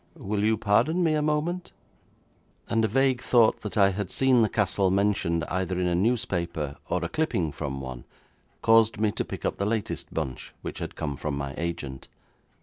Will you pardon me a moment?' and a vague thought that I had seen the castle mentioned either in a newspaper, or a clipping from one, caused me to pick up the latest bunch which had come from my agent.